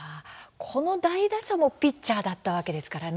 この大打者もピッチャーだったわけですからね。